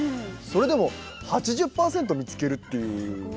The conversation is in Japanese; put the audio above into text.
それでも８０％見つけるっていう。